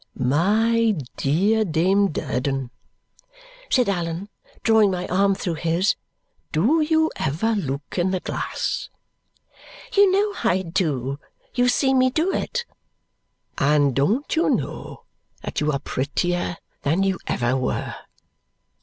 "My dear Dame Durden," said Allan, drawing my arm through his, "do you ever look in the glass?" "You know I do; you see me do it." "And don't you know that you are prettier than you ever were?"